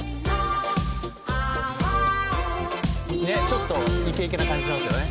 「ちょっとイケイケな感じしますよね」